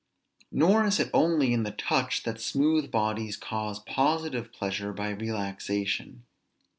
Nor is it only in the touch that smooth bodies cause positive pleasure by relaxation.